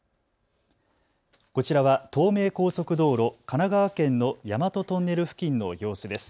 こちらは東名高速道路神奈川県の大和トンネル付近の様子です。